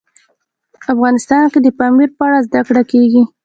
افغانستان کې د پامیر په اړه زده کړه کېږي.